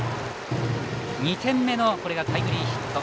２点目のタイムリーヒット。